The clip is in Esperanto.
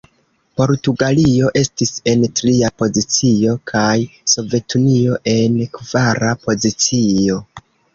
Portugalio estis en tria pozicio, kaj Sovetunio en kvara pozicio.